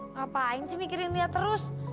ngapain sih mikirin lihat terus